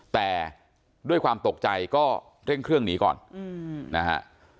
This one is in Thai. แต่ด้วยความตกใจก็เร่งเครื่องหนีก่อนนะฮะ